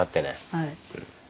はい。